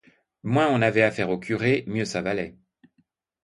Moins on avait affaire aux curés, mieux ça valait.